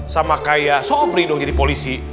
sama kayak sobri dong jadi polisi